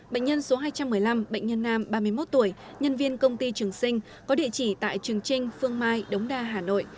bệnh nhân số hai trăm một mươi năm bệnh nhân nam ba mươi một tuổi nhân viên công ty trường sinh có địa chỉ tại trường trinh phương mai đống đa hà nội